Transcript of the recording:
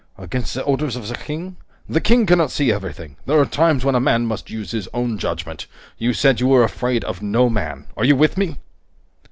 "Against the orders of the King?" "The King cannot see everything! There are times when a man must use his own judgment! You said you were afraid of no man. Are you with me?"